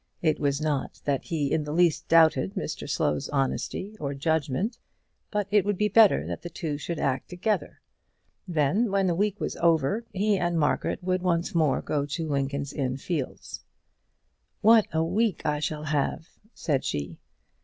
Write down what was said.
It was not that he in the least doubted Mr Slow's honesty or judgment, but it would be better that the two should act together. Then when the week was over, he and Margaret would once more go to Lincoln's Inn Fields. "What a week I shall have!" said she.